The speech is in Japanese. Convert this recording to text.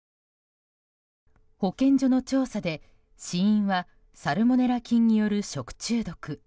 保健所の調査で死因はサルモネラ菌による食中毒。